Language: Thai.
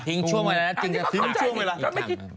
ทิ้งช่วงเวลากับเคี้ยวมันไม่เหมือนกัน